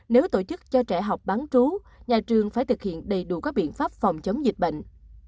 nếu tổ chức cho trẻ học bán trú nhà trường phải thực hiện đầy đủ các biện pháp phòng chống dịch bệnh